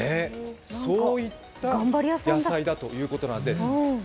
そういった野菜だということなんです。